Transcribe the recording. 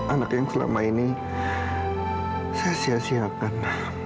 anak yang selama ini saya sia siakan